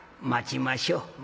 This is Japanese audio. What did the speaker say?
待ちましょう。